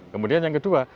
kemudian yang kedua